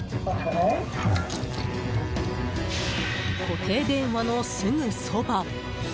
固定電話のすぐそば。